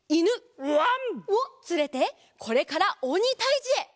わん！をつれてこれからおにたいじへ！